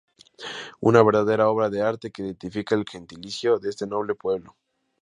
Una verdadera obra de arte que identifica el gentilicio de este noble pueblo.